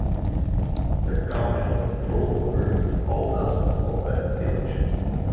The company controlled virtually all aspects of the village.